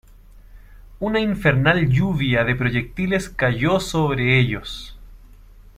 Una infernal lluvia de proyectiles cayó sobre ellos.